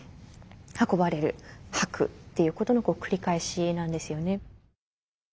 運ばれる吐くっていうことの繰り返しなんですよね。